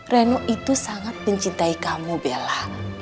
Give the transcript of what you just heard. reno itu sangat mencintai kamu bella